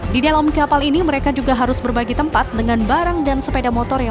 di dalam kapal ini mereka juga harus berbagi tempat dengan barang dan sepeda motor yang